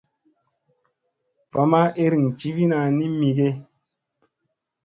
Va ma iirigi jivina ni mi ge.